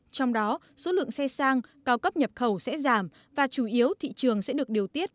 trong đó số lượng xe sang cao cấp nhập khẩu sẽ giảm và chủ yếu thị trường sẽ được điều tiết